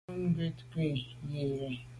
Bon nkùt nku yi li.